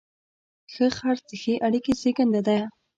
ښه خرڅ د ښې اړیکې زیږنده ده.